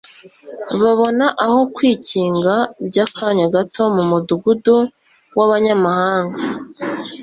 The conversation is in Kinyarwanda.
babona aho kwikinga by'akanya gato mu mudugudu w'abanyamahanga.